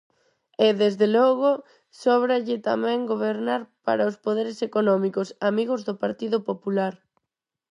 E, desde logo, sóbralle tamén gobernar para os poderes económicos, amigos do Partido Popular.